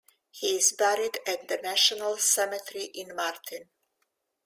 He is buried at the National Cemetery in Martin.